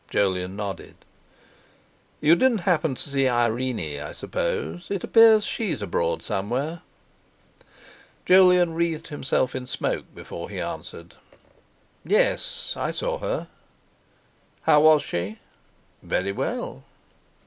Jolyon nodded. "You didn't happen to see Irene, I suppose. It appears she's abroad somewhere." Jolyon wreathed himself in smoke before he answered: "Yes, I saw her." "How was she?" "Very well."